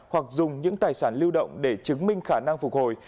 hoặc dùng những tài sản lưu động để chứng minh khả năng phục hồi